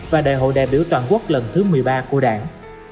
và đại hội đại biểu toàn quốc lần thứ một mươi ba của đảng